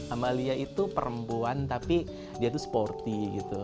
amalia itu perempuan tapi dia tuh sporty gitu